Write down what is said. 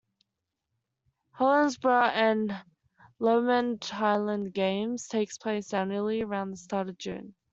Helensburgh and Lomond Highland Games take place annually around the start of June.